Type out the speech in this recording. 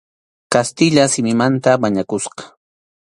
Kastilla simimanta mañakusqa.